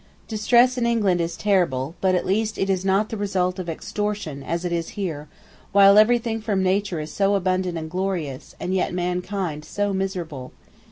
Distress in England is terrible, but, at least, it is not the result of extortion, as it is here, where everything from nature is so abundant and glorious, and yet mankind so miserable.